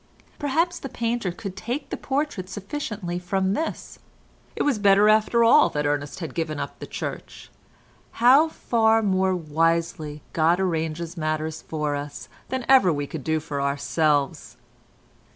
Perhaps the painter could take the portrait sufficiently from this. It was better after all that Ernest had given up the Church—how far more wisely God arranges matters for us than ever we can do for ourselves!